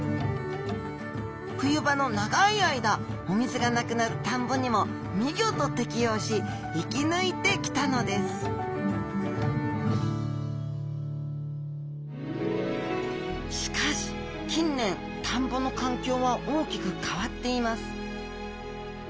冬場の長い間お水がなくなる田んぼにも見事適応し生き抜いてきたのですしかし近年田んぼの環境は大きく変わっています